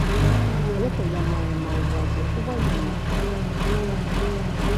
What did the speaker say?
Гэта я маю на ўвазе ў ваенных частках.